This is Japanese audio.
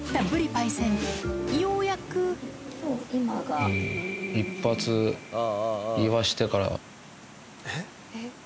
パイセンようやく一発いわしてから。